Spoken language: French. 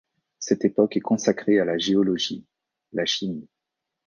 Cette époque est consacrée à la géologie, la chimie.